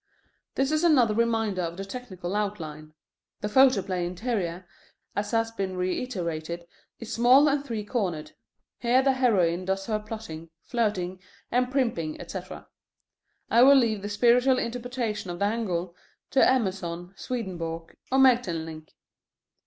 This is another reminder of the technical outline. The photoplay interior, as has been reiterated, is small and three cornered. Here the heroine does her plotting, flirting, and primping, etc. I will leave the spiritual interpretation of the angle to Emerson, Swedenborg, or Maeterlinck.